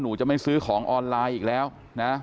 หนูจะไม่ซื้อของออนไลน์อีกแล้วนะ